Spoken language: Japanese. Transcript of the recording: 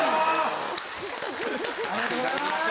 ありがとうございます！